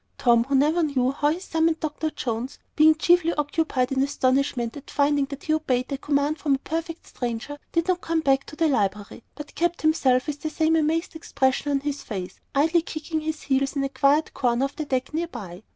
Tom, who never knew how he summoned Dr. Jones, being chiefly occupied in astonishment at finding that he obeyed a command from a perfect stranger, did not come back to the library, but kept himself with the same amazed expression on his face, idly kicking his heels in a quiet corner of the deck near by.